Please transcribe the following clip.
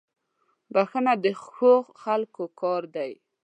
• بښنه د ښو خلکو کار دی.